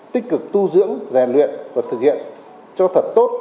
tích cực tu dưỡng rèn luyện và thực hiện cho thật tốt